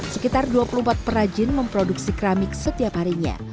sekitar dua puluh empat perajin memproduksi keramik setiap harinya